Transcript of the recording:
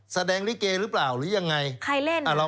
แสดงลิเกหรือเปล่าหรือยังไงใครเล่น